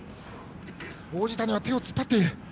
王子谷は手を突っ張っている。